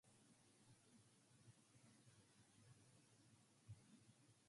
West Virginia showed that Kennedy, a Catholic, could win in a heavily Protestant state.